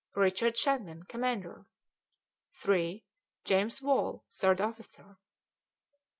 Richard Shandon, commander; 3. James Wall, third officer; 4.